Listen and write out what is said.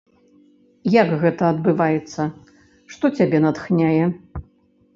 Як гэта адбываецца, што цябе натхняе?